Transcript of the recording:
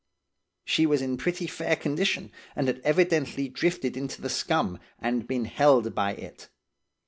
She was in pretty fair condition, and had evidently drifted into the scum and been held by it.